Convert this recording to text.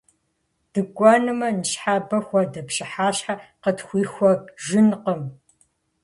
ДыкӀуэнумэ, ныщхьэбэ хуэдэ пщыхьэщхьэ къытхуихуэжынкъым!